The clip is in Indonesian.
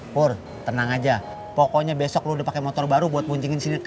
pur tenang aja pokoknya besok lu udah pake motor baru buat boncingin si ineke